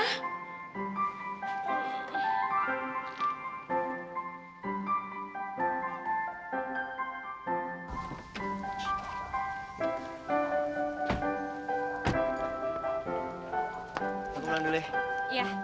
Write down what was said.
aku pulang dulu ya